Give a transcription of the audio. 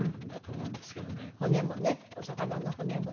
骨もねお魚の骨もね。